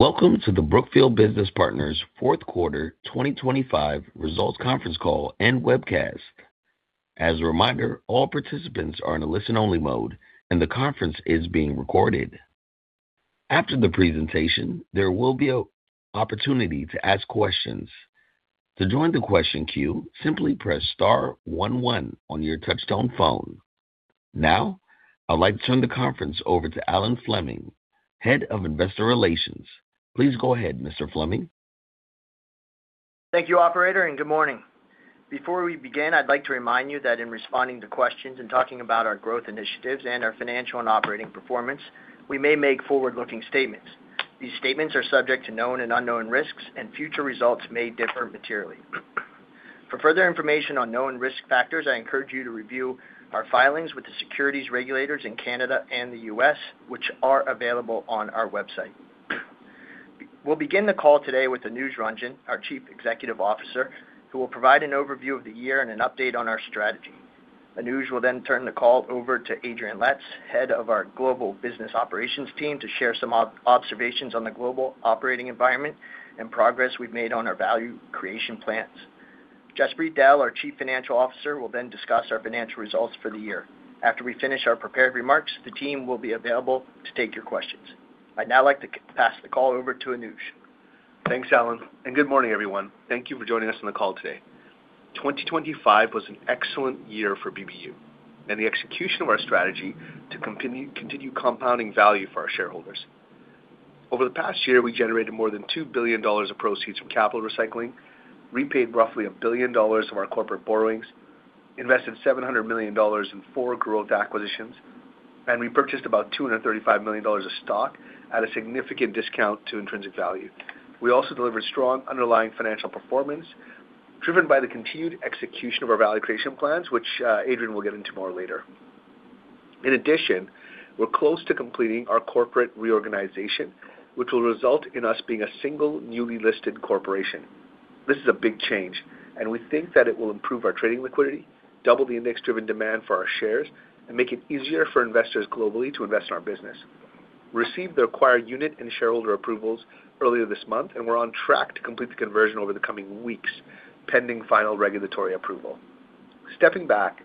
Welcome to the Brookfield Business Partners Fourth Quarter 2025 Results Conference Call and Webcast. As a reminder, all participants are in a listen-only mode, and the conference is being recorded. After the presentation, there will be an opportunity to ask questions. To join the question queue, simply press star one one on your touch-tone phone. Now, I'd like to turn the conference over to Alan Fleming, Head of Investor Relations. Please go ahead, Mr. Fleming. Thank you, operator, and good morning. Before we begin, I'd like to remind you that in responding to questions and talking about our growth initiatives and our financial and operating performance, we may make forward-looking statements. These statements are subject to known and unknown risks, and future results may differ materially. For further information on known risk factors, I encourage you to review our filings with the securities regulators in Canada and the U.S., which are available on our website. We'll begin the call today with Anuj Ranjan, our Chief Executive Officer, who will provide an overview of the year and an update on our strategy. Anuj will then turn the call over to Adrian Letts, Head of our Global Business Operations team, to share some observations on the global operating environment and progress we've made on our value creation plans. Jaspreet Dehl, our Chief Financial Officer, will then discuss our financial results for the year. After we finish our prepared remarks, the team will be available to take your questions. I'd now like to pass the call over to Anuj. Thanks, Alan, and good morning, everyone. Thank you for joining us on the call today. 2025 was an excellent year for BBU, and the execution of our strategy to continue compounding value for our shareholders. Over the past year, we generated more than $2 billion of proceeds from capital recycling, repaid roughly $1 billion of our corporate borrowings, invested $700 million in four growth acquisitions, and repurchased about $235 million of stock at a significant discount to intrinsic value. We also delivered strong underlying financial performance, driven by the continued execution of our value creation plans, which, Adrian will get into more later. In addition, we're close to completing our corporate reorganization, which will result in us being a single, newly listed corporation. This is a big change, and we think that it will improve our trading liquidity, double the index-driven demand for our shares, and make it easier for investors globally to invest in our business. We received the acquired unit and shareholder approvals earlier this month, and we're on track to complete the conversion over the coming weeks, pending final regulatory approval. Stepping back,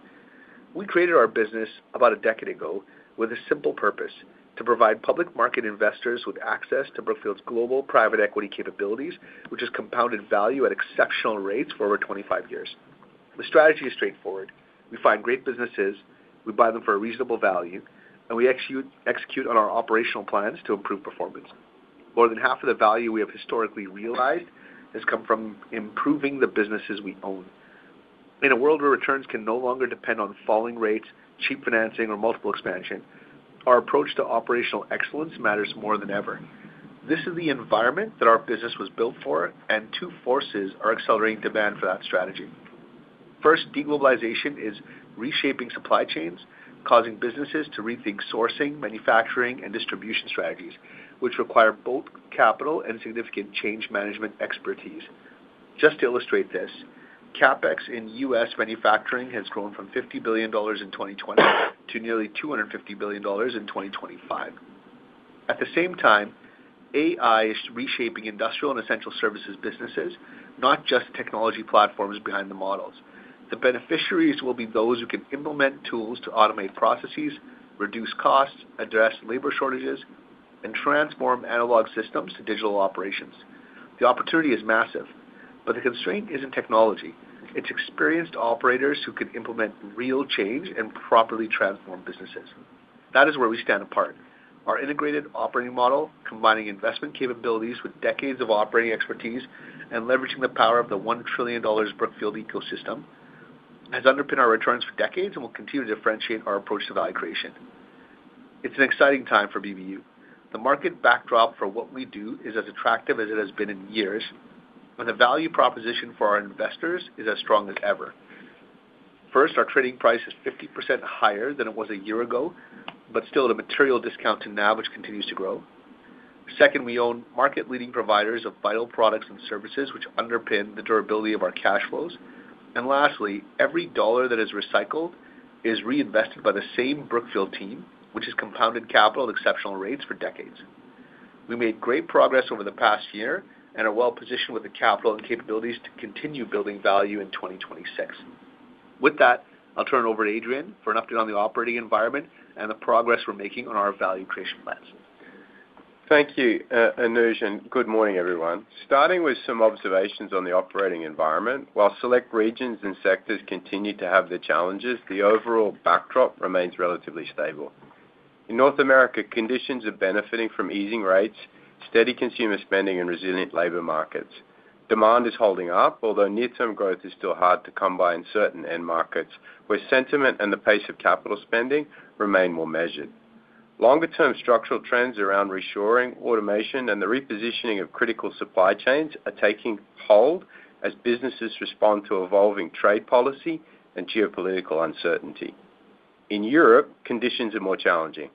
we created our business about a decade ago with a simple purpose: to provide public market investors with access to Brookfield's global private equity capabilities, which has compounded value at exceptional rates for over 25 years. The strategy is straightforward. We find great businesses, we buy them for a reasonable value, and we execute on our operational plans to improve performance. More than half of the value we have historically realized has come from improving the businesses we own. In a world where returns can no longer depend on falling rates, cheap financing, or multiple expansion, our approach to operational excellence matters more than ever. This is the environment that our business was built for, and two forces are accelerating demand for that strategy. First, de-globalization is reshaping supply chains, causing businesses to rethink sourcing, manufacturing, and distribution strategies, which require both capital and significant change management expertise. Just to illustrate this, CapEx in U.S. manufacturing has grown from $50 billion in 2020 to nearly $250 billion in 2025. At the same time, AI is reshaping industrial and essential services businesses, not just technology platforms behind the models. The opportunity is massive, but the constraint isn't technology. It's experienced operators who can implement real change and properly transform businesses. That is where we stand apart. Our integrated operating model, combining investment capabilities with decades of operating expertise and leveraging the power of the $1 trillion Brookfield ecosystem, has underpinned our returns for decades and will continue to differentiate our approach to value creation. It's an exciting time for BBU. The market backdrop for what we do is as attractive as it has been in years, and the value proposition for our investors is as strong as ever. First, our trading price is 50% higher than it was a year ago, but still at a material discount to NAV, which continues to grow. Second, we own market-leading providers of vital products and services, which underpin the durability of our cash flows. And lastly, every dollar that is recycled is reinvested by the same Brookfield team, which has compounded capital at exceptional rates for decades. We made great progress over the past year and are well positioned with the capital and capabilities to continue building value in 2026. With that, I'll turn it over to Adrian for an update on the operating environment and the progress we're making on our value creation plans. Thank you, Anuj, and good morning, everyone. Starting with some observations on the operating environment, while select regions and sectors continue to have their challenges, the overall backdrop remains relatively stable. In North America, conditions are benefiting from easing rates, steady consumer spending, and resilient labor markets. Demand is holding up, although near-term growth is still hard to come by in certain end markets, where sentiment and the pace of capital spending remain more measured. Longer-term structural trends around reshoring, automation, and the repositioning of critical supply chains are taking hold as businesses respond to evolving trade policy and geopolitical uncertainty. In Europe, conditions are more challenging.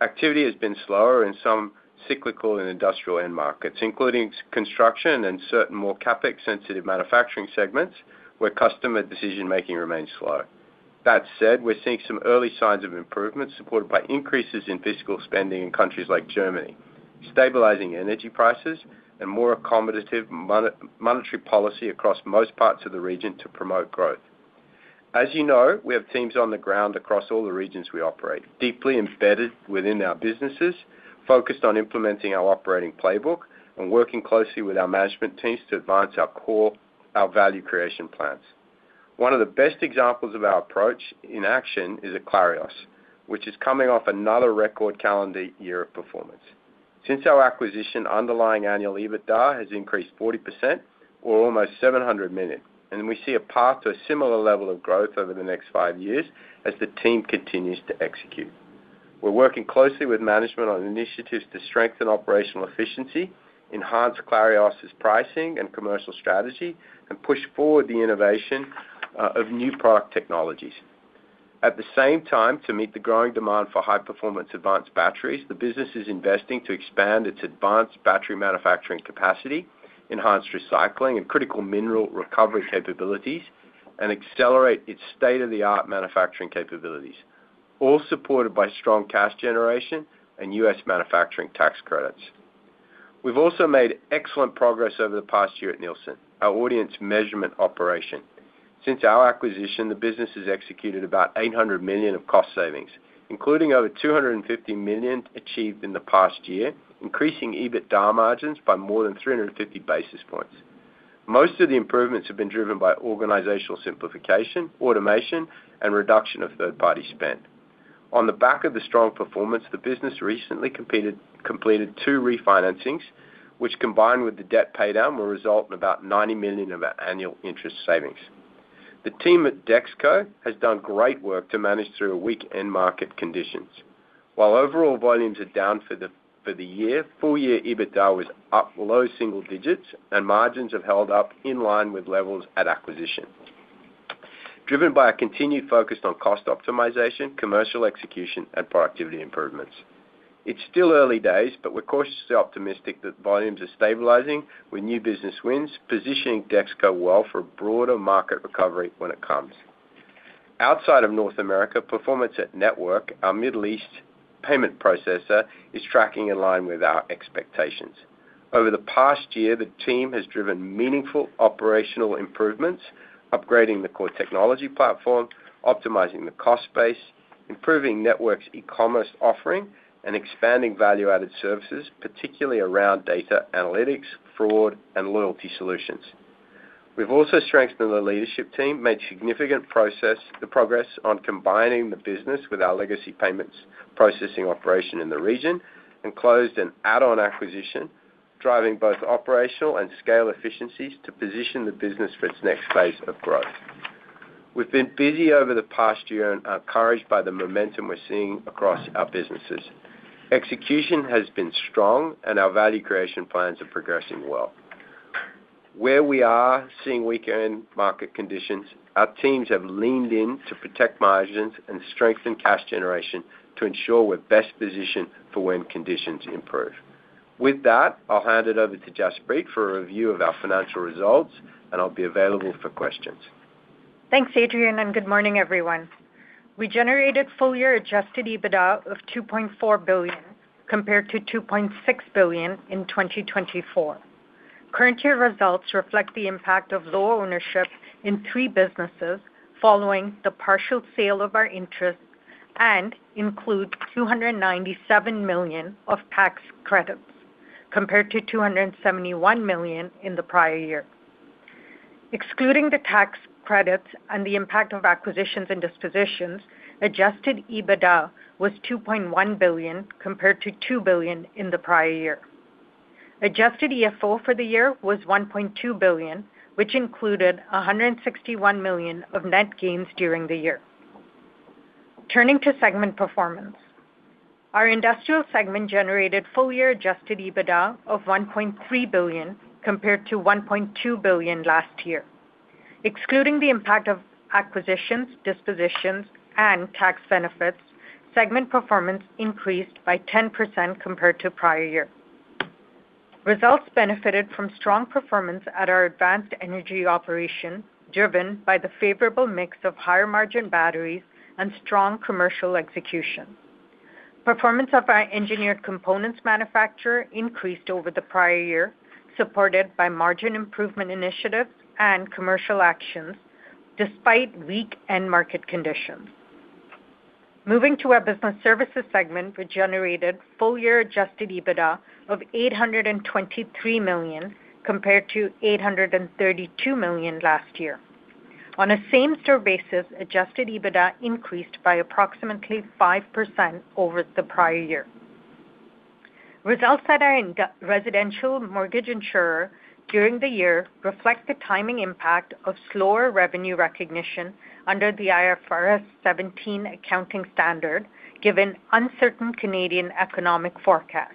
Activity has been slower in some cyclical and industrial end markets, including construction and certain more CapEx-sensitive manufacturing segments, where customer decision-making remains slow. That said, we're seeing some early signs of improvement, supported by increases in fiscal spending in countries like Germany, stabilizing energy prices, and more accommodative monetary policy across most parts of the region to promote growth. As you know, we have teams on the ground across all the regions we operate, deeply embedded within our businesses, focused on implementing our operating playbook, and working closely with our management teams to advance our core, our value creation plans. One of the best examples of our approach in action is at Clarios, which is coming off another record calendar year of performance. Since our acquisition, underlying annual EBITDA has increased 40% or almost $700 million, and we see a path to a similar level of growth over the next 5 years as the team continues to execute. We're working closely with management on initiatives to strengthen operational efficiency, enhance Clarios' pricing and commercial strategy, and push forward the innovation of new product technologies. At the same time, to meet the growing demand for high-performance advanced batteries, the business is investing to expand its advanced battery manufacturing capacity, enhance recycling and critical mineral recovery capabilities, and accelerate its state-of-the-art manufacturing capabilities, all supported by strong cash generation and U.S. manufacturing tax credits. We've also made excellent progress over the past year at Nielsen, our audience measurement operation. Since our acquisition, the business has executed about $800 million of cost savings, including over $250 million achieved in the past year, increasing EBITDA margins by more than 350 basis points. Most of the improvements have been driven by organizational simplification, automation, and reduction of third-party spend. On the back of the strong performance, the business recently completed 2 refinancings, which, combined with the debt paydown, will result in about $90 million of annual interest savings. The team at DexKo has done great work to manage through weak end market conditions. While overall volumes are down for the year, full-year EBITDA was up low single digits, and margins have held up in line with levels at acquisition, driven by a continued focus on cost optimization, commercial execution, and productivity improvements. It's still early days, but we're cautiously optimistic that volumes are stabilizing with new business wins, positioning DexKo well for a broader market recovery when it comes. Outside of North America, performance at Network, our Middle East payment processor, is tracking in line with our expectations. Over the past year, the team has driven meaningful operational improvements, upgrading the core technology platform, optimizing the cost base, improving Network's e-commerce offering, and expanding value-added services, particularly around data analytics, fraud, and loyalty solutions. We've also strengthened the leadership team, made significant progress on combining the business with our legacy payments processing operation in the region, and closed an add-on acquisition, driving both operational and scale efficiencies to position the business for its next phase of growth. We've been busy over the past year and are encouraged by the momentum we're seeing across our businesses. Execution has been strong, and our value creation plans are progressing well. Where we are seeing weaker end market conditions, our teams have leaned in to protect margins and strengthen cash generation to ensure we're best positioned for when conditions improve. With that, I'll hand it over to Jaspreet for a review of our financial results, and I'll be available for questions. Thanks, Adrian, and good morning, everyone. We generated full-year Adjusted EBITDA of $2.4 billion, compared to $2.6 billion in 2024. Current year results reflect the impact of lower ownership in three businesses following the partial sale of our interest and include $297 million of tax credits, compared to $271 million in the prior year. Excluding the tax credits and the impact of acquisitions and dispositions, Adjusted EBITDA was $2.1 billion, compared to $2 billion in the prior year. Adjusted EFO for the year was $1.2 billion, which included $161 million of net gains during the year. Turning to segment performance. Our industrial segment generated full-year Adjusted EBITDA of $1.3 billion, compared to $1.2 billion last year. Excluding the impact of acquisitions, dispositions, and tax benefits, segment performance increased by 10% compared to prior year. Results benefited from strong performance at our advanced energy operation, driven by the favorable mix of higher-margin batteries and strong commercial execution. Performance of our engineered components manufacturer increased over the prior year, supported by margin improvement initiatives and commercial actions despite weak end market conditions. Moving to our business services segment, which generated full-year Adjusted EBITDA of $823 million, compared to $832 million last year. On a same-store basis, Adjusted EBITDA increased by approximately 5% over the prior year. Results at our residential mortgage insurer during the year reflect the timing impact of slower revenue recognition under the IFRS 17 accounting standard, given uncertain Canadian economic forecast.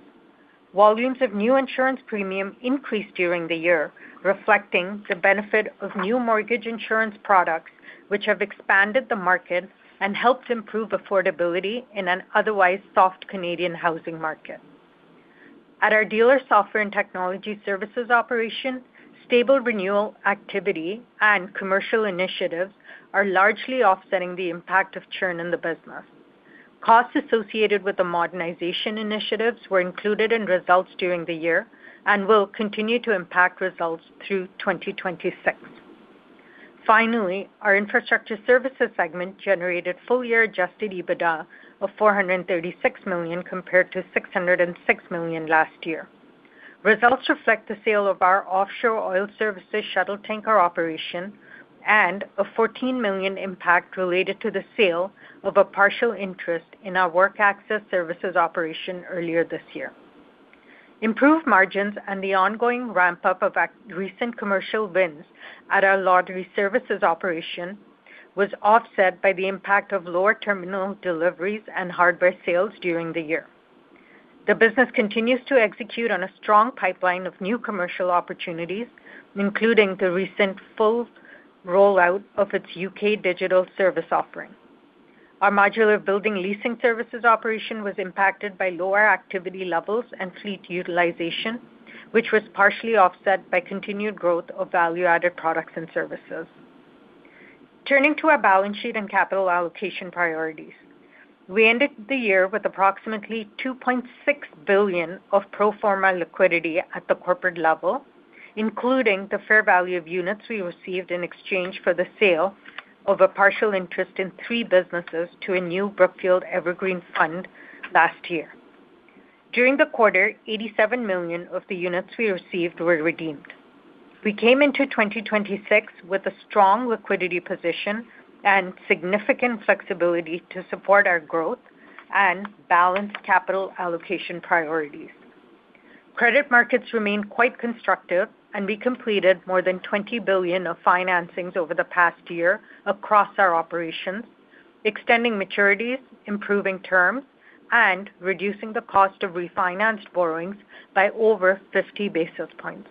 Volumes of new insurance premium increased during the year, reflecting the benefit of new mortgage insurance products, which have expanded the market and helped improve affordability in an otherwise soft Canadian housing market. At our dealer software and technology services operation, stable renewal activity and commercial initiatives are largely offsetting the impact of churn in the business. Costs associated with the modernization initiatives were included in results during the year and will continue to impact results through 2026. Finally, our infrastructure services segment generated full-year Adjusted EBITDA of $436 million, compared to $606 million last year. Results reflect the sale of our offshore oil services shuttle tanker operation and a $14 million impact related to the sale of a partial interest in our work access services operation earlier this year. Improved margins and the ongoing ramp-up of recent commercial wins at our lottery services operation was offset by the impact of lower terminal deliveries and hardware sales during the year. The business continues to execute on a strong pipeline of new commercial opportunities, including the recent full rollout of its U.K. digital service offering. Our modular building leasing services operation was impacted by lower activity levels and fleet utilization, which was partially offset by continued growth of value-added products and services. Turning to our balance sheet and capital allocation priorities. We ended the year with approximately $2.6 billion of pro forma liquidity at the corporate level, including the fair value of units we received in exchange for the sale of a partial interest in three businesses to a new Brookfield evergreen fund last year. During the quarter, 87 million of the units we received were redeemed. We came into 2026 with a strong liquidity position and significant flexibility to support our growth and balanced capital allocation priorities. Credit markets remain quite constructive, and we completed more than $20 billion of financings over the past year across our operations, extending maturities, improving terms, and reducing the cost of refinanced borrowings by over 50 basis points.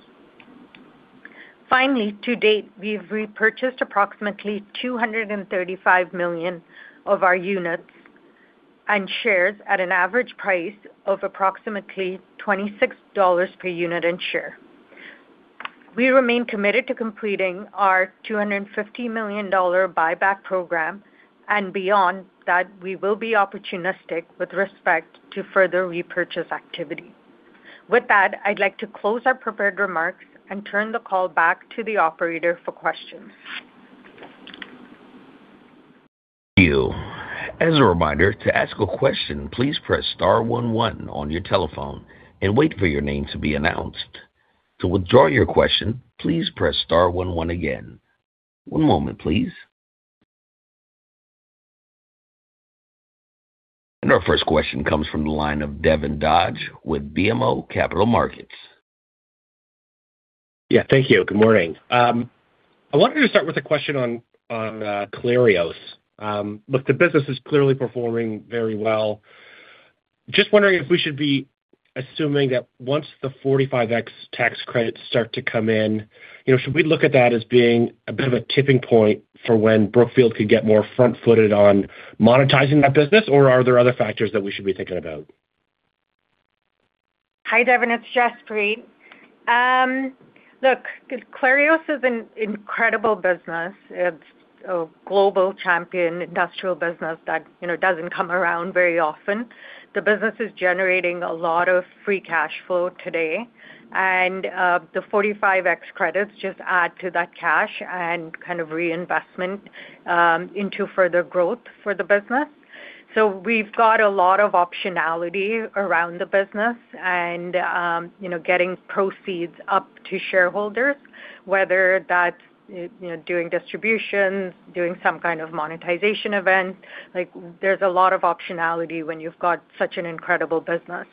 Finally, to date, we've repurchased approximately $235 million of our units and shares at an average price of approximately $26 per unit and share. We remain committed to completing our $250 million buyback program, and beyond that, we will be opportunistic with respect to further repurchase activity. With that, I'd like to close our prepared remarks and turn the call back to the operator for questions. As a reminder, to ask a question, please press star one one on your telephone and wait for your name to be announced. To withdraw your question, please press star one one again. One moment, please. Our first question comes from the line of Devin Dodge with BMO Capital Markets. Yeah, thank you. Good morning. I wanted to start with a question on Clarios. Look, the business is clearly performing very well. Just wondering if we should be assuming that once the 45X tax credits start to come in, you know, should we look at that as being a bit of a tipping point for when Brookfield could get more front-footed on monetizing that business? Or are there other factors that we should be thinking about? Hi, Devin, it's Jaspreet. Look, Clarios is an incredible business. It's a global champion industrial business that, you know, doesn't come around very often. The business is generating a lot of free cash flow today, and the 45X credits just add to that cash and kind of reinvestment into further growth for the business. So we've got a lot of optionality around the business and you know, getting proceeds up to shareholders, whether that's, you know, doing distributions, doing some kind of monetization event. Like, there's a lot of optionality when you've got such an incredible business.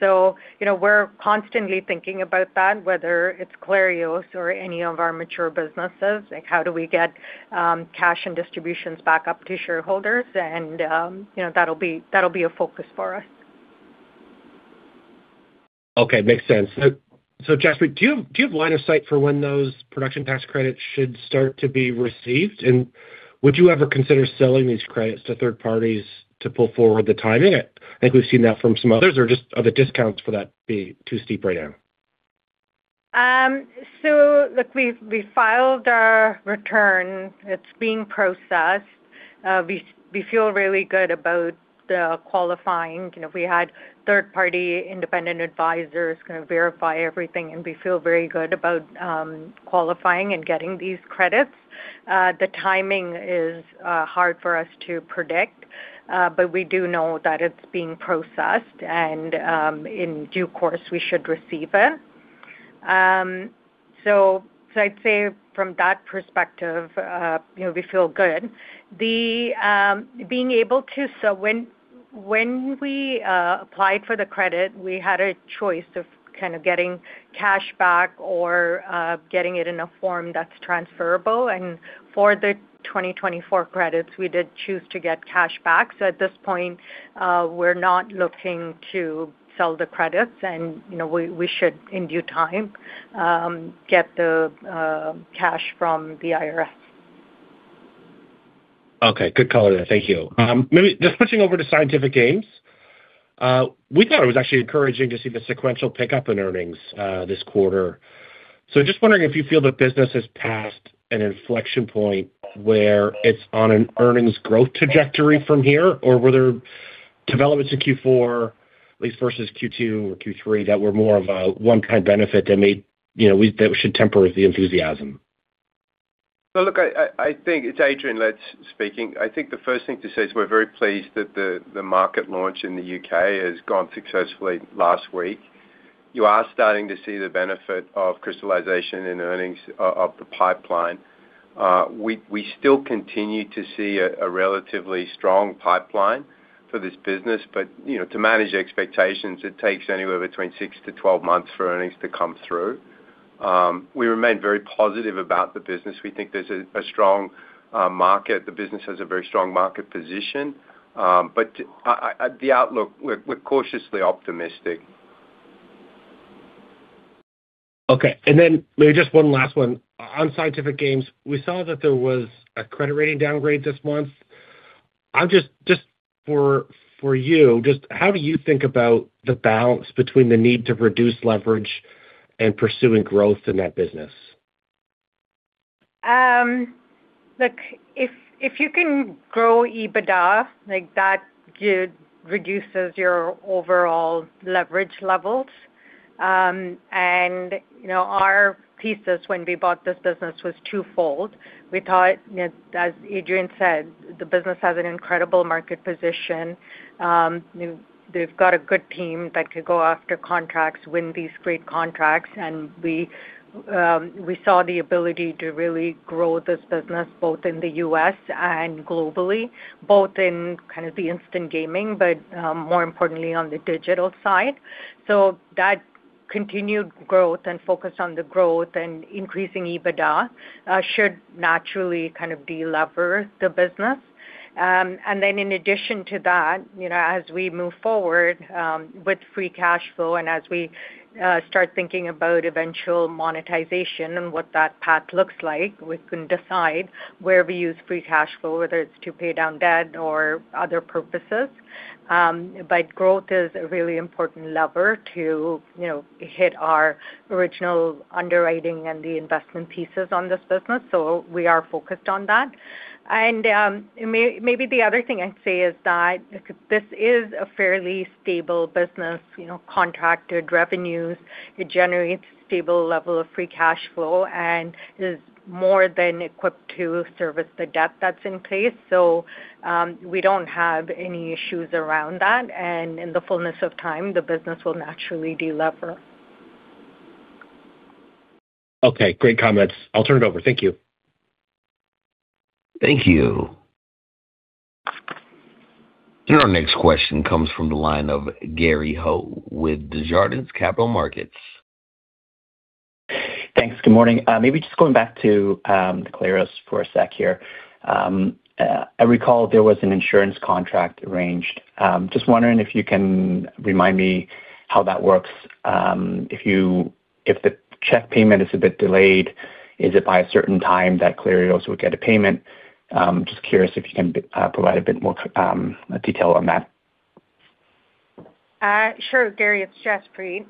So, you know, we're constantly thinking about that, whether it's Clarios or any of our mature businesses, like, how do we get cash and distributions back up to shareholders? And you know, that'll be, that'll be a focus for us. Okay. Makes sense. So, Jaspreet, do you have, do you have line of sight for when those production tax credits should start to be received? And would you ever consider selling these credits to third parties to pull forward the timing? I think we've seen that from some others, or just are the discounts for that be too steep right now? So look, we filed our return. It's being processed. We feel really good about the qualifying. You know, we had third-party independent advisors kind of verify everything, and we feel very good about qualifying and getting these credits. The timing is hard for us to predict, but we do know that it's being processed, and in due course, we should receive it. So I'd say from that perspective, you know, we feel good. The being able to... So when we applied for the credit, we had a choice of kind of getting cash back or getting it in a form that's transferable. And for the 2024 credits, we did choose to get cash back. At this point, we're not looking to sell the credits, and, you know, we should, in due time, get the cash from the IRS. Okay, good color there. Thank you. Maybe just switching over to Scientific Games. We thought it was actually encouraging to see the sequential pickup in earnings this quarter. So just wondering if you feel the business has passed an inflection point where it's on an earnings growth trajectory from here, or were there developments in Q4, at least versus Q2 or Q3, that were more of a one-time benefit that may, you know, that we should temper the enthusiasm? So look, I think it's Adrian Letts speaking. I think the first thing to say is we're very pleased that the market launch in the U.K. has gone successfully last week. You are starting to see the benefit of crystallization in earnings of the pipeline. We still continue to see a relatively strong pipeline for this business, but you know, to manage expectations, it takes anywhere between 6-12 months for earnings to come through. We remain very positive about the business. We think there's a strong market. The business has a very strong market position, but the outlook, we're cautiously optimistic. Okay. And then maybe just one last one. On Scientific Games, we saw that there was a credit rating downgrade this month. I'm just for you, just how do you think about the balance between the need to reduce leverage and pursuing growth in that business? Look, if you can grow EBITDA, like, that good reduces your overall leverage levels. You know, our thesis when we bought this business was twofold. We thought, you know, as Adrian said, the business has an incredible market position. They've got a good team that could go after contracts, win these great contracts, and we saw the ability to really grow this business, both in the U.S. and globally, both in kind of the instant gaming, but, more importantly, on the digital side. So that continued growth and focus on the growth and increasing EBITDA should naturally kind of delever the business. And then in addition to that, you know, as we move forward with free cash flow and as we start thinking about eventual monetization and what that path looks like, we can decide where we use free cash flow, whether it's to pay down debt or other purposes. But growth is a really important lever to, you know, hit our original underwriting and the investment pieces on this business. So we are focused on that. And maybe the other thing I'd say is that this is a fairly stable business, you know, contracted revenues. It generates stable level of free cash flow and is more than equipped to service the debt that's in place. So we don't have any issues around that, and in the fullness of time, the business will naturally delever. Okay, great comments. I'll turn it over. Thank you. Thank you. Our next question comes from the line of Gary Ho with Desjardins Capital Markets. Thanks. Good morning. Maybe just going back to Clarios for a sec here. I recall there was an insurance contract arranged. Just wondering if you can remind me how that works. If the check payment is a bit delayed, is it by a certain time that Clarios would get a payment? Just curious if you can provide a bit more detail on that. Sure, Gary, it's Jaspreet.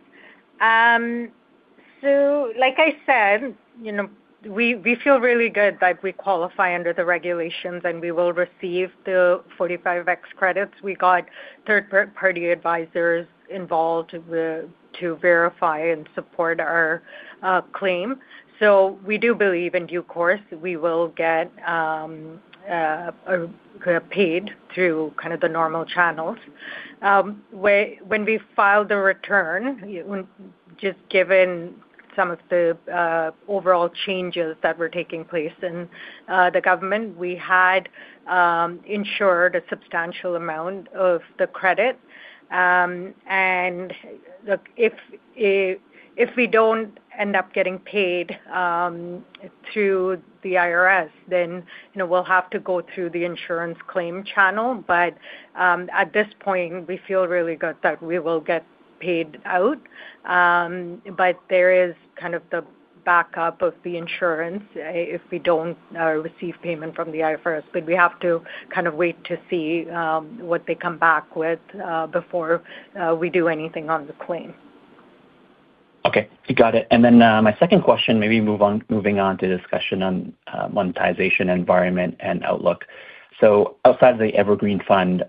So like I said, you know, we feel really good that we qualify under the regulations, and we will receive the 45X credits. We got third-party advisors involved to verify and support our claim. So we do believe in due course, we will get paid through kind of the normal channels. When we filed the return, just given some of the overall changes that were taking place in the government, we had insured a substantial amount of the credit. And look, if we don't end up getting paid through the IRS, then, you know, we'll have to go through the insurance claim channel. But at this point, we feel really good that we will get paid out. But there is kind of the backup of the insurance, if we don't receive payment from the IRS, but we have to kind of wait to see what they come back with, before we do anything on the claim. Okay, got it. And then, my second question, maybe move on, moving on to discussion on, monetization, environment, and outlook. So outside of the Evergreen fund,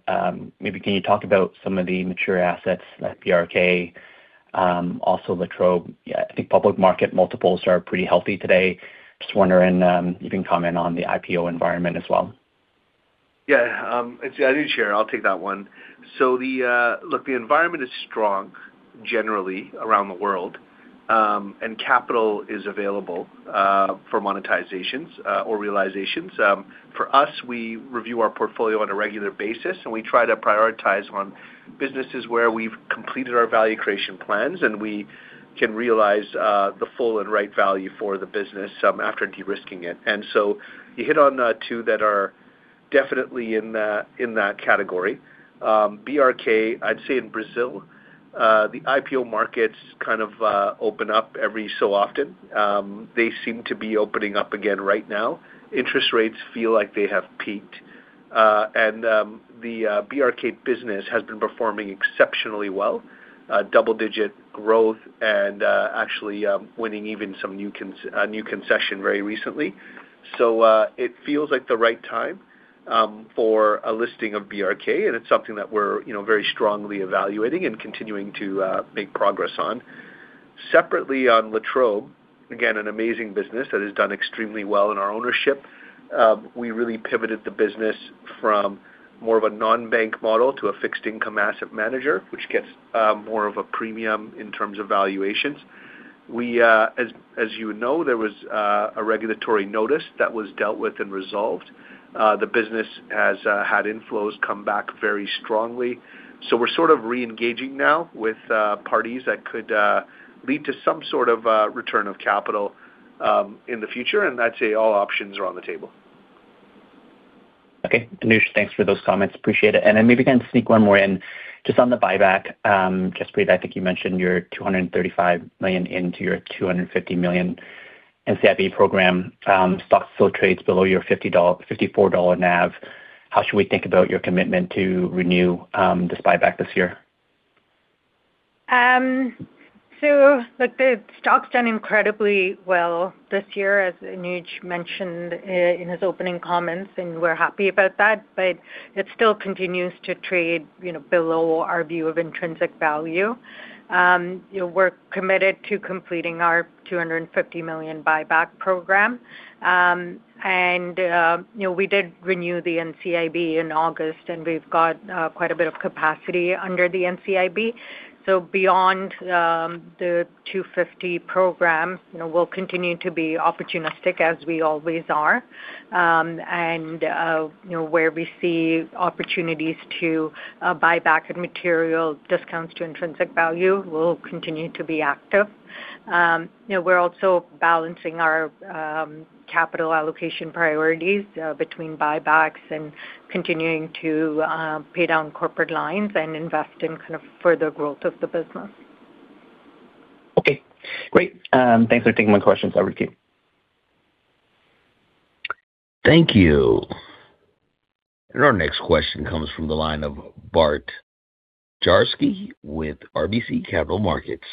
maybe can you talk about some of the mature assets like BRK, also La Trobe? I think public market multiples are pretty healthy today. Just wondering, you can comment on the IPO environment as well. Yeah, it's Adrian here, I'll take that one. So the... Look, the environment is strong generally around the world, and capital is available for monetizations or realizations. For us, we review our portfolio on a regular basis, and we try to prioritize on businesses where we've completed our value creation plans, and we can realize the full and right value for the business after de-risking it. And so you hit on two that are definitely in that, in that category. BRK, I'd say in Brazil, the IPO markets kind of open up every so often. They seem to be opening up again right now. Interest rates feel like they have peaked... The BRK business has been performing exceptionally well, double-digit growth and actually winning even a new concession very recently. So, it feels like the right time for a listing of BRK, and it's something that we're, you know, very strongly evaluating and continuing to make progress on. Separately, on La Trobe, again, an amazing business that has done extremely well in our ownership. We really pivoted the business from more of a non-bank model to a fixed income asset manager, which gets more of a premium in terms of valuations. As you would know, there was a regulatory notice that was dealt with and resolved. The business has had inflows come back very strongly. So we're sort of reengaging now with parties that could lead to some sort of return of capital in the future, and I'd say all options are on the table. Okay. Anuj, thanks for those comments. Appreciate it. Then maybe I can sneak one more in. Just on the buyback, Jaspreet, I think you mentioned you're $235 million into your $250 million NCIB program. Stock still trades below your $54 NAV. How should we think about your commitment to renew this buyback this year? So look, the stock's done incredibly well this year, as Anuj mentioned in his opening comments, and we're happy about that, but it still continues to trade, you know, below our view of intrinsic value. You know, we're committed to completing our $250 million buyback program. And you know, we did renew the NCIB in August, and we've got quite a bit of capacity under the NCIB. So beyond the $250 million program, you know, we'll continue to be opportunistic as we always are. And you know, where we see opportunities to buy back at material discounts to intrinsic value, we'll continue to be active. You know, we're also balancing our capital allocation priorities between buybacks and continuing to pay down corporate lines and invest in kind of further growth of the business. Okay, great. Thanks for taking my questions over to you. Thank you. And our next question comes from the line of Bart Dziarski with RBC Capital Markets.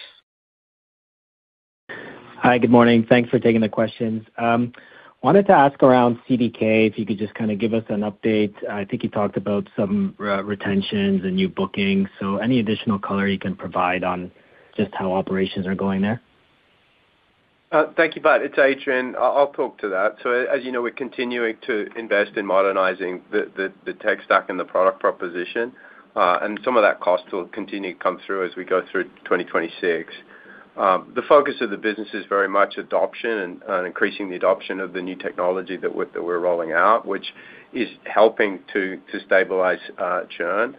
Hi, good morning. Thanks for taking the questions. Wanted to ask around CDK, if you could just kind of give us an update. I think you talked about some retentions and new bookings, so any additional color you can provide on just how operations are going there? Thank you, Bart. It's Adrian. I'll talk to that. So as you know, we're continuing to invest in modernizing the tech stack and the product proposition, and some of that cost will continue to come through as we go through 2026. The focus of the business is very much adoption and increasing the adoption of the new technology that we're rolling out, which is helping to stabilize churn.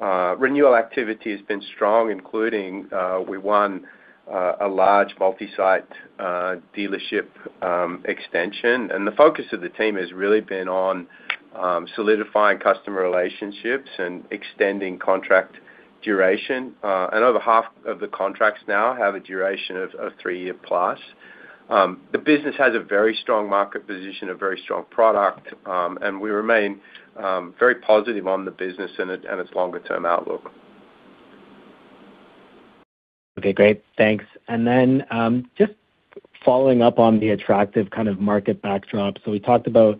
Renewal activity has been strong, including we won a large multi-site dealership extension. And the focus of the team has really been on solidifying customer relationships and extending contract duration. And over half of the contracts now have a duration of three year plus. The business has a very strong market position, a very strong product, and we remain very positive on the business and it, and its longer term outlook. Okay, great. Thanks. And then, just following up on the attractive kind of market backdrop. So we talked about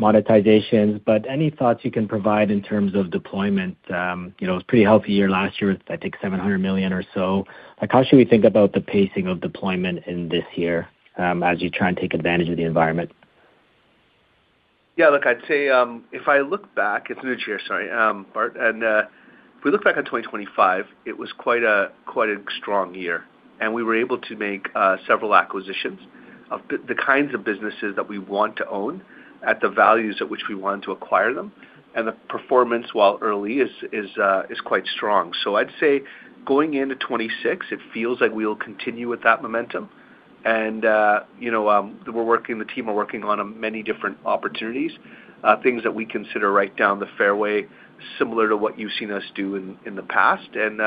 monetizations, but any thoughts you can provide in terms of deployment? You know, it was a pretty healthy year last year, I think $700 million or so. Like, how should we think about the pacing of deployment in this year, as you try and take advantage of the environment? Yeah, look, I'd say, if I look back, it's Anuj here, sorry, Bart, and, if we look back on 2025, it was quite a, quite a strong year, and we were able to make, several acquisitions of the, the kinds of businesses that we want to own at the values at which we wanted to acquire them, and the performance, while early, is, quite strong. So I'd say going into 2026, it feels like we'll continue with that momentum. And, you know, we're working, the team are working on many different opportunities, things that we consider right down the fairway, similar to what you've seen us do in, in the past. And,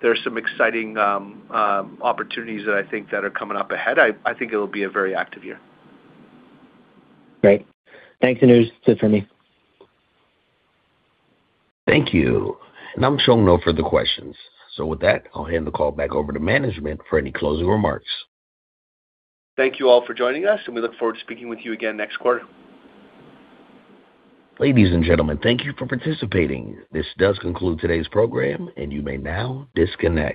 there are some exciting, opportunities that I think that are coming up ahead. I, I think it'll be a very active year. Great. Thanks, Anuj. That's it for me. Thank you. I'm showing no further questions. With that, I'll hand the call back over to management for any closing remarks. Thank you all for joining us, and we look forward to speaking with you again next quarter. Ladies and gentlemen, thank you for participating. This does conclude today's program, and you may now disconnect.